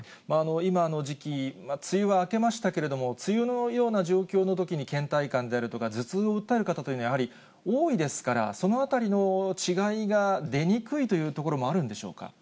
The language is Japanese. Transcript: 今の時期、梅雨は明けましたけれども、梅雨のような状況のときにけん怠感であるとか、頭痛を訴える方というのは、やはり多いですから、そのあたりの違いが出にくいというところもあるんでしょうか。